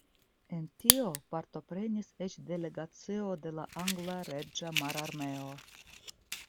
En tio partoprenis eĉ delegacio de la angla Reĝa Mararmeo.